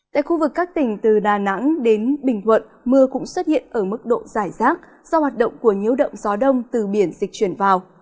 tại khu vực các tỉnh từ đà nẵng đến bình thuận mưa cũng xuất hiện ở mức độ giải rác do hoạt động của nhiễu động gió đông từ biển dịch chuyển vào